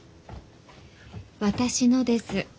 私のです。